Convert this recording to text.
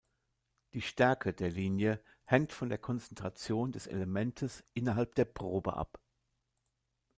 Die „Stärke“ der Linie hängt von der Konzentration des Elementes innerhalb der Probe ab.